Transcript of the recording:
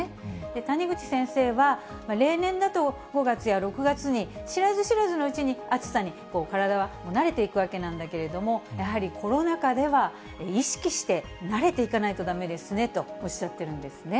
谷口先生は、例年だと、５月や６月に、知らず知らずのうちに暑さに体が慣れていくわけなんだけれども、やはりコロナ禍では、意識して慣れていかないとだめですねとおっしゃってるんですね。